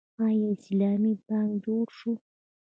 آیا اسلامي بانک جوړ شو؟